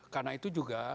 karena itu juga